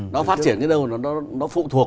nó phát triển đến đâu nó phụ thuộc